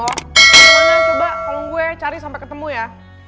bagaimana coba kalo gue cari sampai ketemu ya